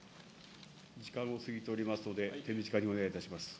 時間を過ぎておりますので、手短にお願いいたします。